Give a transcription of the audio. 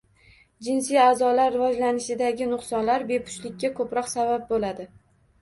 Jinsiy a’zolar rivojlanishidagi nuqsonlar bepushtlikka ko‘proq sabab bo‘ladi.